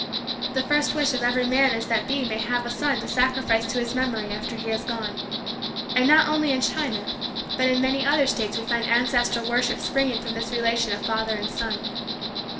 The first wish of every man is that be may have a son to sacrifice to his memory after he has gone. And not only in China, but in many other states we find ancestral worship springing from this relation of father and son.